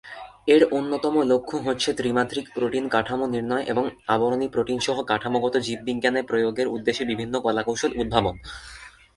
এর অন্যতম লক্ষ্য হচ্ছে ত্রিমাত্রিক প্রোটিন কাঠামো নির্ণয় এবং আবরণী প্রোটিন-সহ কাঠামোগত জীববিজ্ঞানে প্রয়োগের উদ্দেশ্যে বিভিন্ন কলাকৌশল উদ্ভাবন।